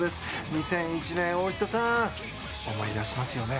２００１年、大下さん思い出しますよね。